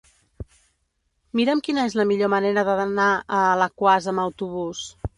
Mira'm quina és la millor manera d'anar a Alaquàs amb autobús.